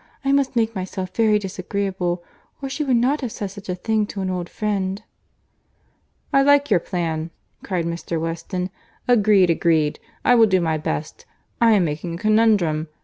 I must make myself very disagreeable, or she would not have said such a thing to an old friend." "I like your plan," cried Mr. Weston. "Agreed, agreed. I will do my best. I am making a conundrum.